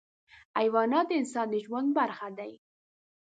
حیوانات د انسان د ژوند برخه دي.